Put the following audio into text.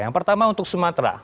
yang pertama untuk sumatera